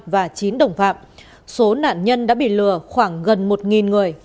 và chín đồng phạm số nạn nhân đã bị lừa khoảng gần một người